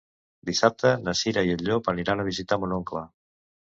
Dissabte na Cira i en Llop aniran a visitar mon oncle.